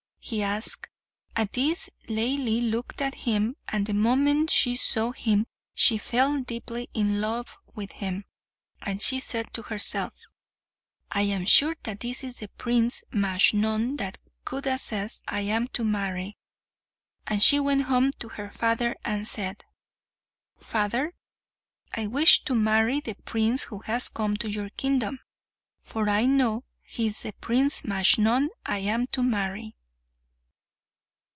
he asked. At this Laili looked at him, and the moment she saw him she fell deeply in love with him, and she said to herself, "I am sure that is the Prince Majnun that Khuda says I am to marry." And she went home to her father and said, "Father, I wish to marry the prince who has come to your kingdom; for I know he is the Prince Majnun I am to marry."